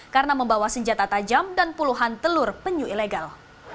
karena membawa senjata tajam dan puluhan telur penyu ilegal